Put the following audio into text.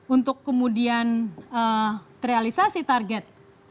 untuk kemudian terrealisasi target